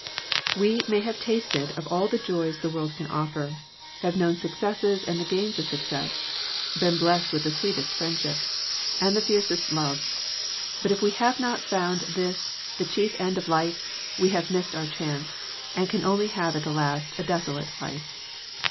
We may have tasted of all the joys the world can offer, have known success and the gains of success, been blessed with the sweetest friendships and the fiercest 221 Digitized by VjOOQIC THE HIGHER FRIENDSHIP loves; but if we have not found this the chief end of life, we have missed our chance, and can only have at the last a desolated life.